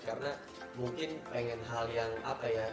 karena mungkin pengen hal yang apa ya